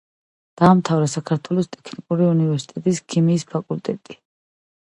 დაამთავრა საქართველოს ტექნიკური უნივერსიტეტის ქიმიის ფაკულტეტი.